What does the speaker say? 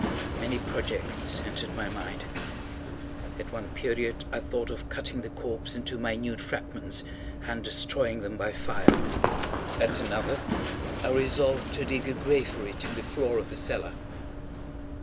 Many projects entered my mind. At one period I thought of cutting the corpse into minute fragments, and destroying them by fire. At another, I resolved to dig a grave for it in the floor of the cellar.